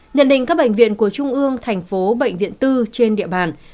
nhận định các bệnh viện của trung ương thành phố bệnh viện tư trên địa bàn